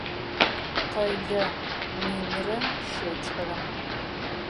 Къэлэ минрэ щэкӏрэ.